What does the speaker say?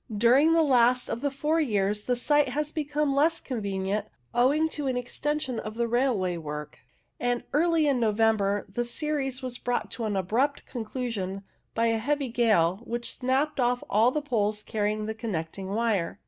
During the last of the four years, the site had become less EXETER RESULTS 149 convenient owing to an extension of the railway work, and early in November the series was brought to an abrupt conclusion by a heavy gale, which snapped off all the poles carrying the connecting wire.